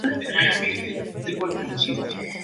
Libera Folio, página principal